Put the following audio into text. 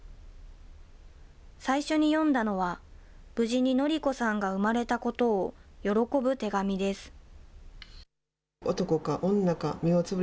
最初に読んだのは、無事に紀子さんが生まれたことを喜ぶ手紙です。